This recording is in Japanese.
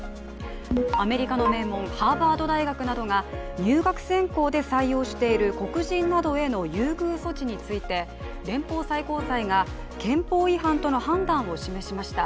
アメリカの名門、ハーバード大学などが入学選考で採用している黒人などへの優遇措置について連邦最高裁が憲法違反との判断を示しました。